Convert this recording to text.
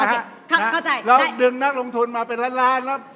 ครับเข้าใจได้นะฮะแล้วดึงนักลงทุนมาเป็นล้านแล้ว